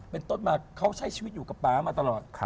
เป็นต้นมาเขาใช้ชีวิตอยู่กับป๊ามาตลอด